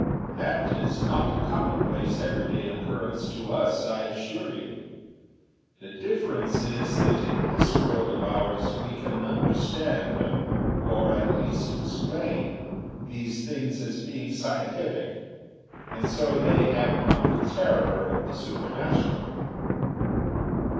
"That is not a commonplace everyday occurrence to us, I assure you. The difference is that in this world of ours we can understand or at least explain these things as being scientific. And so they have not the terror of the supernatural."